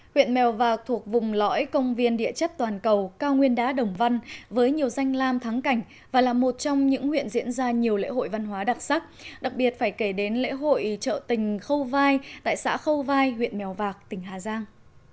huyện mèo vạc thuộc vùng lõi công viên địa chất toàn cầu cao nguyên đá đồng văn với nhiều danh lam thắng cảnh và là một trong những huyện diễn ra nhiều lễ hội văn hóa đặc sắc đặc biệt phải kể đến lễ hội chợ tình khâu vai tại xã khâu vai huyện mèo vạc tỉnh hà giang